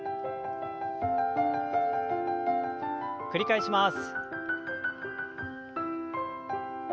繰り返します。